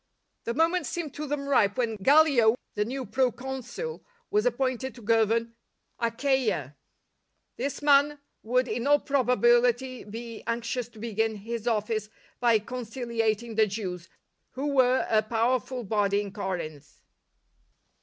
The moment seemed to them ripe when Gallic, the new Pro Consul, was appointed to govern Achaia. This man \vould in all proba bility be anxious to begin his office by con ciliating the Jews, who were a powerful body in Corinth.